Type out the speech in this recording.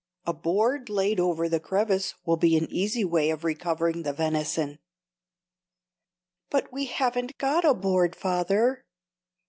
"A board laid over the crevasse will be an easy way of recovering the venison." "But we haven't got a board, father."